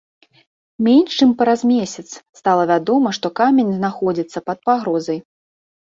Менш чым праз месяц стала вядома, што камень знаходзіцца пад пагрозай.